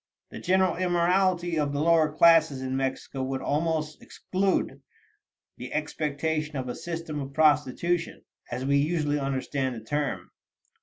The general immorality of the lower classes in Mexico would almost exclude the expectation of a system of prostitution, as we usually understand the term.